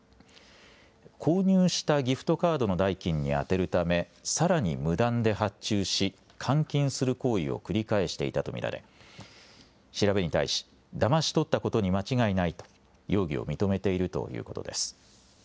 購入したギフトカードの代金に充てるためさらに無断で発注し換金する行為を繰り返していたと見られ調べに対し、だまし取ったことに間違いないと容疑を認めているということです。